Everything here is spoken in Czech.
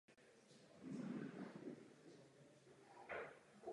Vzhledem ke velmi omezené nabídce je proto možný výraznější dlouhodobý tlak na cenu kovu.